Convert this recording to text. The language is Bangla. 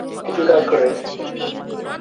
কিছুই কাজ করেনি।